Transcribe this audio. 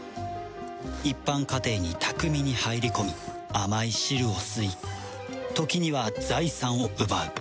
一般家庭に巧みに入り込み甘い汁を吸い時には財産を奪う